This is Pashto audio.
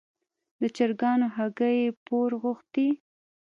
د چرګانو هګۍ یې پور غوښتې.